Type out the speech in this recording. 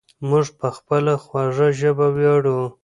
موږ په خپله خوږه ژبه ویاړو.